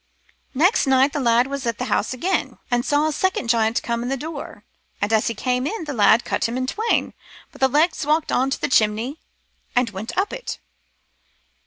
" Next night t' lad was at the house again, and saw a second giant come in at door, and as he came in, t' lad cut him in twain ; but the legs walked on to t' chimney and went up it.